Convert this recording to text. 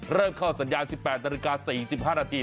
เริ่มเข้าสัญญาณ๑๘ตร๔๕นาที